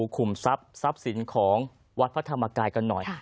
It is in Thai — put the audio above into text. ขุมทรัพย์สินของวัดพระธรรมกายกันหน่อย